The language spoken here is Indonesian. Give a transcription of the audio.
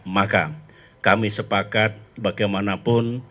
maka kami sepakat bagaimanapun